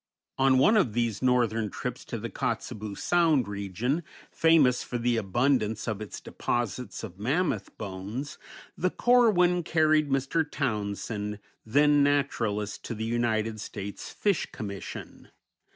On one of these northern trips, to the Kotzebue Sound region, famous for the abundance of its deposits of mammoth bones, the Corwin carried Mr. Townsend, then naturalist to the United States Fish Commission.